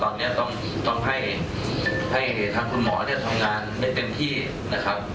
ทางย่าพี่น้องว่าตอนนี้ต้องให้ทางคุณหมอเนี่ยทำงานให้เป็นที่นะครับ